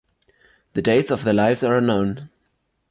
The dates of their lives are unknown.